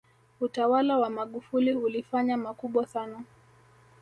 utawala wa Magufuli ulifanya makubwa sana